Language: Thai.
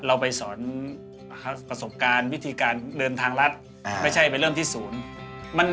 เราไปสอนประสบการณ์วิธีการเดินทางรัฐไม่ใช่ไปเริ่มที่ศูนย์